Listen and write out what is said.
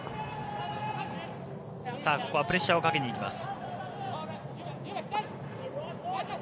ここはプレッシャーをかけに行きます。